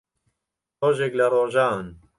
ڕۆژێک لە ڕۆژان